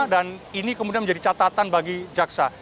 dan ini kemudian menjadi catatan bagi jaksa